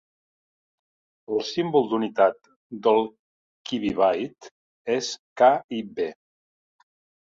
El símbol d'unitat del kibibyte és KiB.